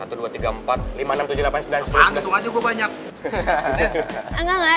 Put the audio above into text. enggak enggak enggak